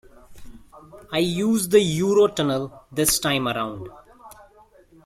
I used the Euro tunnel this time around.